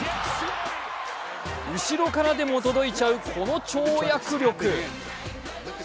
後ろからでも届いちゃうこの跳躍力。